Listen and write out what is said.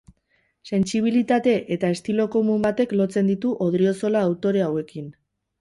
Sentsibilitate eta estilo komun batek lotzen ditu Odriozola autore hauekin.